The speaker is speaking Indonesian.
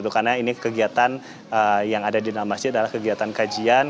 karena ini kegiatan yang ada di dalam masjid adalah kegiatan kajian